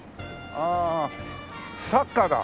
ああサッカーだ。